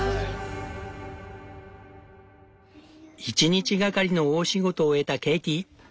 一日がかりの大仕事を終えたケイティ。